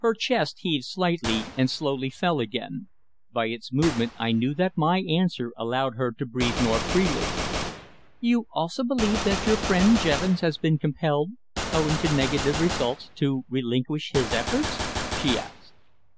Her chest heaved slightly, and slowly fell again. By its movement I knew that my answer allowed her to breathe more freely. "You also believe that your friend Jevons has been compelled, owing to negative results, to relinquish his efforts?" she asked.